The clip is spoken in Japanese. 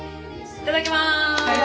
いただきます！